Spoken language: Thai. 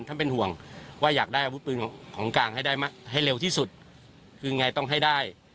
ท่านเป็นห่วงว่าอยากได้อาวุธปืนของกลางให้ได้ให้เร็วที่สุดคือไงต้องให้ได้